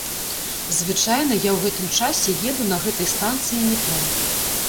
Звычайна я ў гэтым часе еду на гэтай станцыі метро.